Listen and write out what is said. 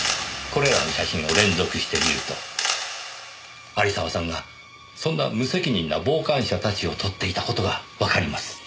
これらの写真を連続して見ると有沢さんがそんな無責任な傍観者たちを撮っていた事がわかります。